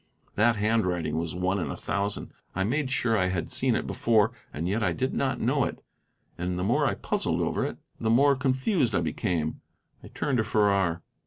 That handwriting was one in a thousand. I made sure I had seen it before, and yet I did not know it; and the more I puzzled over it the more confused I became. I turned to Farrar.